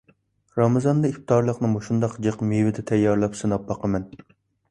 رامىزاندا ئىپتارلىقنى مۇشۇنداق جىق مېۋىدە تەييارلاپ سىناپ باقىمەن.